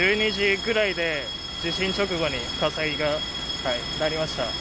１２時ぐらいで地震直後に火災がなりました。